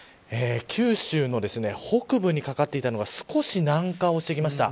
九州の北部にかかっていたのが少し南下してきました。